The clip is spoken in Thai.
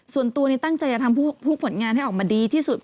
ส่วนตัวนี้ตั้งใจจะทำทุกผลงานให้ออกมาดีที่สุด